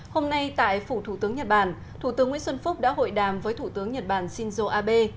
hôm nay tại phủ thủ tướng nhật bản thủ tướng nguyễn xuân phúc đã hội đàm với thủ tướng nhật bản shinzo abe